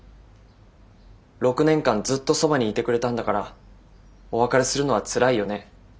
６年間ずっとそばにいてくれたんだからお別れするのはつらいよね。